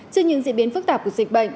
trên những diễn biến phức tạp của dịch bệnh